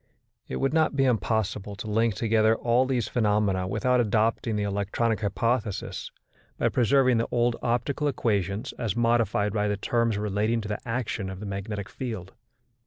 It would not be impossible to link together all these phenomena without adopting the electronic hypothesis, by preserving the old optical equations as modified by the terms relating to the action of the magnetic field.